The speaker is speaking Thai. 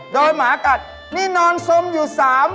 โดนหมากัดนี่นอนสมอยู่๓วัน